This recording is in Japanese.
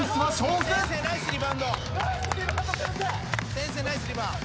先生ナイスリバウンド。